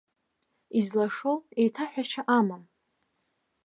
Излашоу еиҭаҳәашьа амам.